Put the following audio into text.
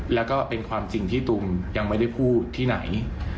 แล้วก็เป็นความจริงที่ตุมยังไม่ได้พูดที่ไหน